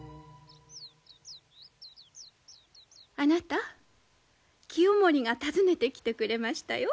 あなた清盛が訪ねてきてくれましたよ。